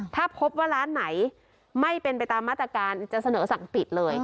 ถ้าพบว่าร้านไหนไม่เป็นไปตามมาตรการจะเสนอสั่งปิดเลย